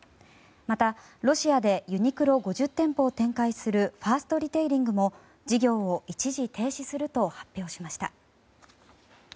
また、ロシアでユニクロ５０店舗を展開するファーストリテイリングも事業を一時停止すると発表しました。